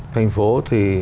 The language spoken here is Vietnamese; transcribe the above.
thành phố thì